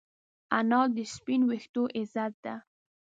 انا د سپین ویښتو عزت ده